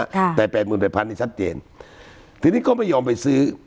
ค่ะแต่แปดหมื่นแปดพันนี่ชัดเจนทีนี้ก็ไม่ยอมไปซื้อ